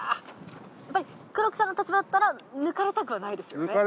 やっぱり黒木さんの立場だったら抜かれたくはないですよね？